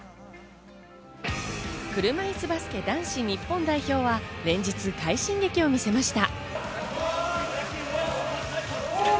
車いすバスケ男子日本代表は連日、快進撃を見せました。